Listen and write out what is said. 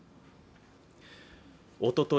おととい